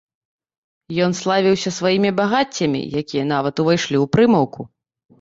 Ён славіўся сваімі багаццямі, якія нават увайшлі ў прымаўку.